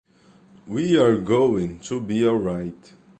We are going to be alright.